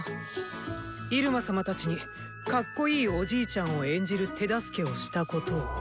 入間様たちにかっこいいおじいちゃんを演じる手助けをしたことを。